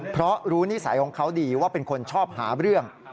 เพราะรู้นิสัยของเขาดีว่าเป็นคนชอบหาเรื่อง